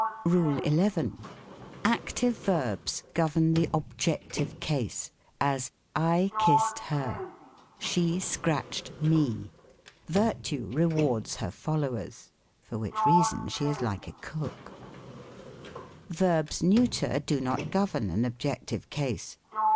RULE XL Active verbs govern the objective case : as, " I kiss ed her." "She scratched me." "Virtue rewards her followers." 88 THE COMIC ENGLISH GRAMMAR. For which reason she is like a cook. Verbs neuter do not govern an objective case.